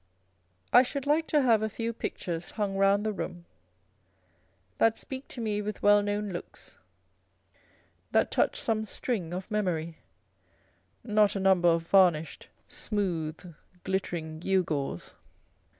I should like to have a few pictures hung round the room that speak to me with well known looks, that touch some string of memoryâ€" not a number of varnished, smooth, glittering gewgaws.